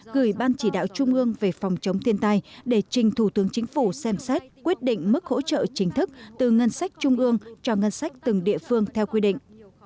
gửi ban chỉ đạo trung ương về phòng chống thiên tai để trình thủ tướng chính phủ xem xét quyết định mức hỗ trợ chính thức từ ngân sách trung ương cho ngân sách từng địa phương theo quy định